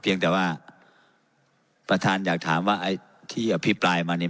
เพียงแต่ว่าประธานอยากถามว่าไอ้ที่อภิปรายมาเนี่ย